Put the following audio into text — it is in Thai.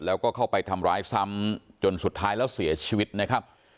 แล้วก็เข้าไปทำร้ายซ้ำจนสุดท้ายแล้วเสียชีวิตนะครับ